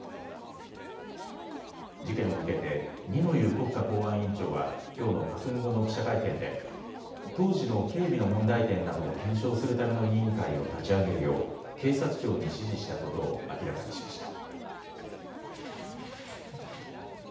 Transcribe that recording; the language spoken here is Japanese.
事件を受けて二之湯国家公安委員長はきょうの閣議後の記者会見で当時の警備の問題点などを検証するための委員会を立ち上げるよう警察庁に指示したことを明らかにしました。